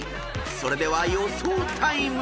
それでは予想タイム］